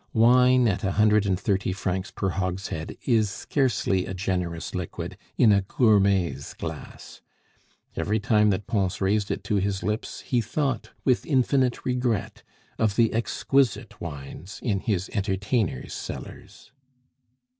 Wine at a hundred and thirty francs per hogshead is scarcely a generous liquid in a gourmet's glass; every time that Pons raised it to his lips he thought, with infinite regret, of the exquisite wines in his entertainers' cellars.